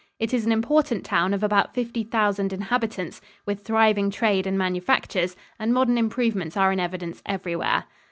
It is an important town of about fifty thousand inhabitants, with thriving trade and manufactures, and modern improvements are in evidence everywhere.